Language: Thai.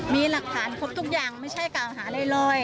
มีหลักฐานครบทุกอย่างไม่ใช่กล่าวหาอะไรเลย